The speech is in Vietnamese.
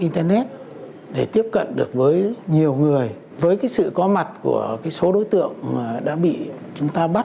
internet để tiếp cận được với nhiều người với sự có mặt của số đối tượng đã bị chúng ta bắt